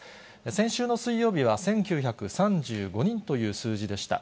先週の水曜日は１９３５人という数字でした。